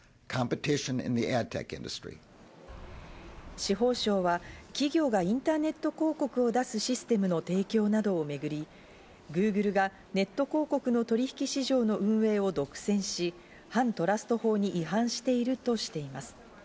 司法省は企業がインターネット広告を出すシステムの提供などをめぐり、グーグルがネット広告の取引市場の運営を独占し、反トラスト法に違反しているとしています。